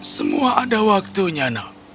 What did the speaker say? semua ada waktunya no